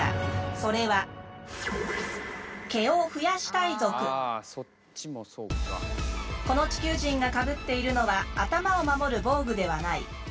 それはこの地球人がかぶっているのは頭を守る防具ではない。